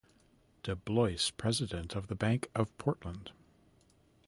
Deblois, president of the Bank of Portland.